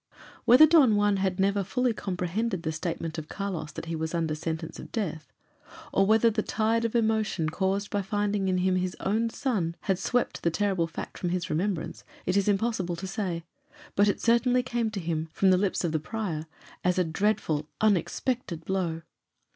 Whether Don Juan had never fully comprehended the statement of Carlos that he was under sentence of death, or whether the tide of emotion caused by finding in him his own son had swept the terrible fact from his remembrance, it is impossible to say; but it certainly came to him, from the lips of the prior, as a dreadful, unexpected blow.